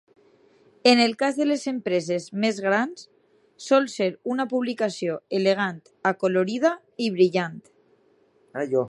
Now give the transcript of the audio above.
En el cas de les empreses més grans, sol ser una publicació elegant, acolorida i brillant.